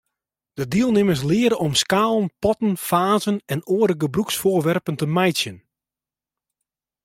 De dielnimmers leare om skalen, potten, fazen en oare gebrûksfoarwerpen te meitsjen.